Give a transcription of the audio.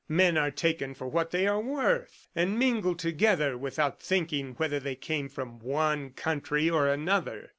Men are taken for what they are worth, and mingle together without thinking whether they came from one country or another.